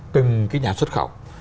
từng cái nhà xuất khẩu